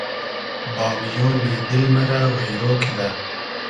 بامیۉنی دیل مۂ رۂ وݷرۉ کیدۂ